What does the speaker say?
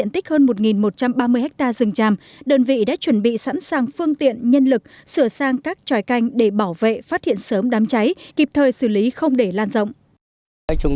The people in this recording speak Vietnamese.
trong một một trăm ba mươi ha rừng tràm đơn vị đã chuẩn bị sẵn sàng phương tiện nhân lực sửa sang các tròi canh để bảo vệ phát hiện sớm đám cháy kịp thời xử lý không để lan rộng